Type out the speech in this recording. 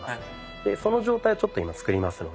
でその状態をちょっと今作りますので。